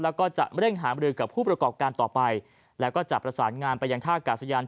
แล้วก็จะเร่งหามรือกับผู้ประกอบการต่อไปแล้วก็จะประสานงานไปยังท่ากาศยาน